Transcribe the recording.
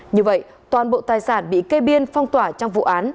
như vậy toàn bộ tài sản bị kê biên phong tỏa trong vụ án